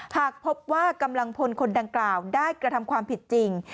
หากพบว่ากำลังพลคนดังกล่าวได้กระทำความผิดจริง